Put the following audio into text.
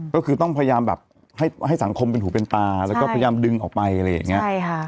ก็คือต้องพยายามแบบให้สังคมเป็นหูเป็นตาแล้วก็พยายามดึงออกไปอะไรอย่างนี้